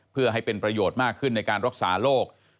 เพื่อให้เป็นประโยชน์มากขึ้นในการรักษาโรค